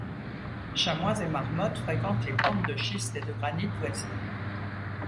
Chamois et Marmottes fréquentent les pentes de schistes et de granite voisines.